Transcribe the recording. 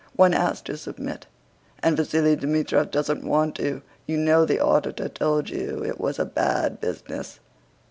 "One has to submit, and Vasíli Dmítrich doesn't want to. You know the auditor told you it was a bad business."